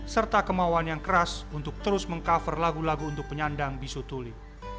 serta kemauan yang keras untuk terus meng cover lagu lagu untuk penyandang bisu tuli